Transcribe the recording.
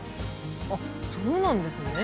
あっそうなんですね。